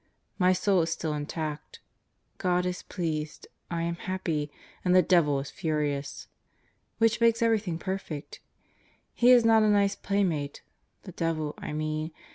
My soul is still intact. God is pleased; I am happy; and the devil is furious. Which makes every thing perfect. He is not a nice playmate the devil I mean.